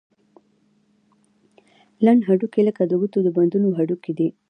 لنډ هډوکي لکه د ګوتو د بندونو هډوکي دي.